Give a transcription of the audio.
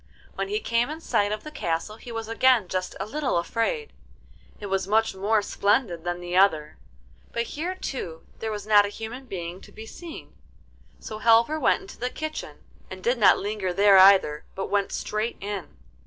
When he came in sight of the castle he was again just a little afraid. It was much more splendid than the other, but here too there was not a human being to be seen. So Halvor went into the kitchen, and did not linger there either, but went straight in.